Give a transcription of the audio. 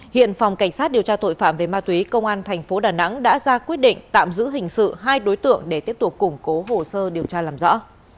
hiện phòng cảnh sát điều tra tội phạm về ma túy công an thành phố đà nẵng đã ra quyết định tạm giữ hình sự hai đối tượng để tiếp tục củng cố hồ sơ điều tra làm rõ